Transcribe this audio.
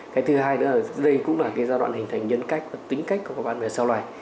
cái thứ hai nữa là đây cũng là cái giai đoạn hình thành nhân cách và tính cách của các bạn về sau loài